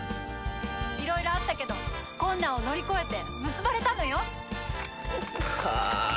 いろいろあったけど困難を乗り越えて結ばれたのよ。はあ